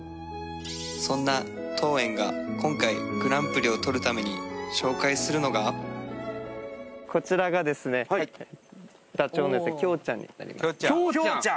そんな当園が今回グランプリをとるために紹介するのがキョウちゃん